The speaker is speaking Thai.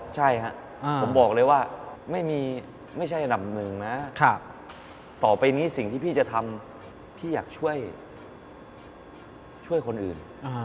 ใช่ครับผมบอกเลยว่าไม่ใช่อันดับหนึ่งนะต่อไปนี้สิ่งที่พี่จะทำพี่อยากช่วยคนอื่น